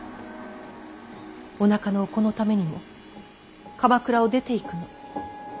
おなかのお子のためにも鎌倉を出ていくの。